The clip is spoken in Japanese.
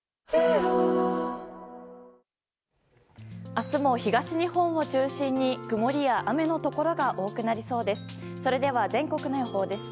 明日も東日本を中心に曇りや雨のところが多くなりそうです。